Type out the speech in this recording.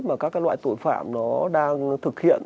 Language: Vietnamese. mà các loại tội phạm nó đang thực hiện